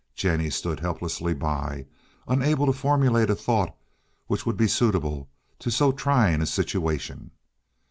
Jennie stood helplessly by, unable to formulate a thought which would be suitable to so trying a situation.